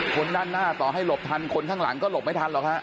คนด้านหน้าต่อให้หลบทันคนข้างหลังก็หลบไม่ทันหรอกฮะ